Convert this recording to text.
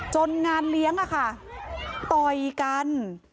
จนงานเลี้ยงค่ะต่อยกัน